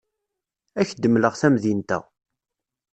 Ad ak-d-mleɣ tamdint-a.